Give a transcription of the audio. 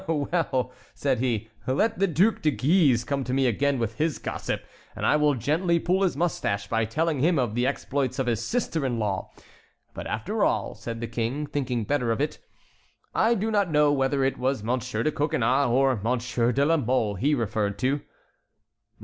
"Well," said he, "let the Duc de Guise come to me again with his gossip, and I will gently pull his mustache by telling him of the exploits of his sister in law. But after all," said the King, thinking better of it, "I do not know whether it was Monsieur de Coconnas or Monsieur de la Mole he referred to."